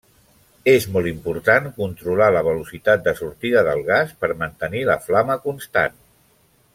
És molt important controlar la velocitat de sortida del gas per mantenir la flama constant.